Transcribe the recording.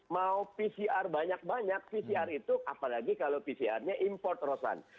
mau pcr banyak banyak pcr itu apalagi kalau pcrnya import rosana